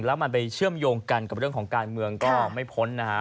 แล้วมันไปเชื่อมโยงกันกับเรื่องของการเมืองก็ไม่พ้นนะฮะ